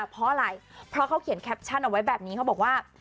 เพราะอะไรเพราะเขาเขียนแคปชั่นเอาไว้แบบนี้เขาบอกว่า